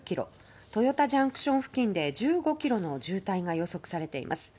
豊田ＪＣＴ付近で１５ｋｍの渋滞が予測されています。